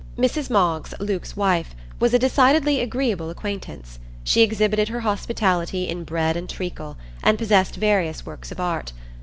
Mrs Moggs, Luke's wife, was a decidedly agreeable acquaintance. She exhibited her hospitality in bread and treacle, and possessed various works of art.